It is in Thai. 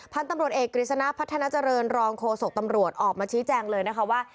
พันธุ์ตำรวจเอกกฤษณะพัฒนาเจริญรองโฆษกตำรวจออกมาชี้แจงเลยนะคะว่า